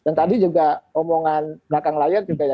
dan tadi juga omongan belakang layar juga ya